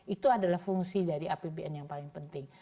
itu adalah fungsi dari apbn yang paling penting